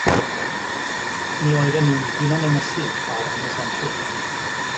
Mi oeddan nhw'n hunan-ynysu ar Ynys Enlli.